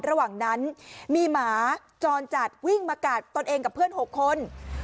ระหว่างนั้นมีหมาจรจัดวิ่งมากัดตนเองกับเพื่อน๖คน